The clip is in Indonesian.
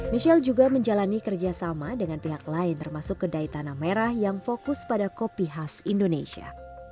michelle juga menjalani kerjasama dengan pihak lain termasuk kedai tanah merah yang fokus pada kopi khas indonesia